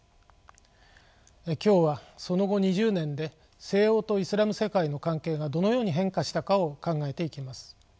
今日はその後２０年で西欧とイスラム世界の関係がどのように変化したかを考えていきます。